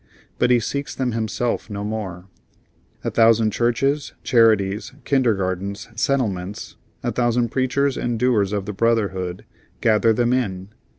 But he seeks them himself no more. A thousand churches, charities, kindergartens, settlements, a thousand preachers and doers of the brotherhood, gather them in.